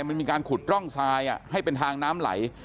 มันมีการขุดร่องทรายให้เป็นทางน้ำไหล